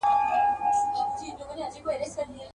کږې خولې په سوک سمیږي د اولس د باتورانو.